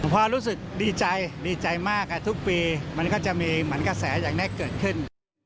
พอรู้สึกดีใจดีใจมากทุกปีมันก็จะมีเหมือนกระแสอย่างนี้เกิดขึ้น